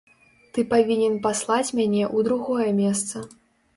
Ты павінен паслаць мяне ў другое месца.